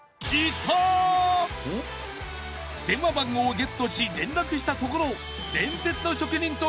電話番号をゲットし連絡したところ向かったのは